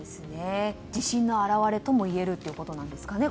自信の表れともいえるということですかね。